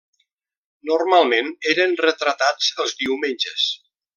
Normalment eren retratats els diumenges.